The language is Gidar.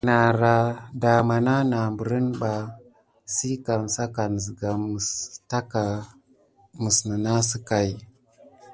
Nara dama nana perine ba si kusakane siga takà mis ne nane sickai.